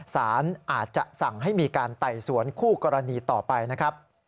สารอาจจะสั่งให้มีการไต่สวนคู่กรณีต่อไปนะครับ